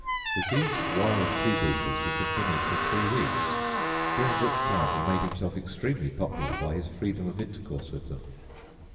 With these wild freebooters he continued for three weeks, during which time he made himself extremely popular by his freedom of intercourse with them.